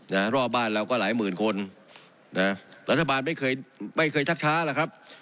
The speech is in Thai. รอบบ้านเราก็หลายหมื่นคนนะรัฐบาลไม่เคยไม่เคยชักช้าแล้วครับ